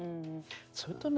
それとね